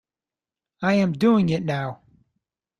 I am doing it now.